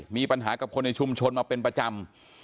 มีปัญหากับคนในชุมชนมาเป็นประจำ